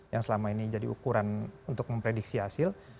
yang selama ini jadi ukuran untuk memprediksi hasil